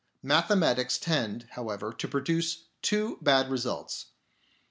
Mathematics tend, however, to produce two bad results.